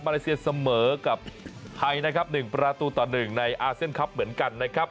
เลเซียเสมอกับไทยนะครับ๑ประตูต่อ๑ในอาเซียนคลับเหมือนกันนะครับ